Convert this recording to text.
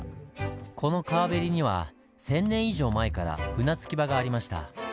この川べりには１０００年以上前から船着き場がありました。